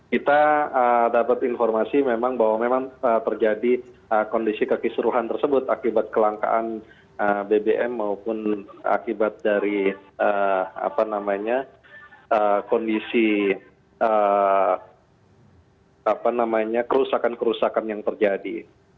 kita dapat informasi memang bahwa memang terjadi kondisi kekisruhan tersebut akibat kelangkaan bbm maupun akibat dari kondisi kerusakan kerusakan yang terjadi